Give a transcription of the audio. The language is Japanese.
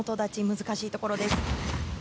難しいところです。